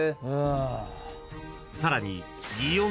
［さらに］